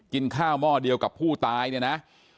กินข้าวหม้อเดียวกับผู้ตายเนี่ยนะ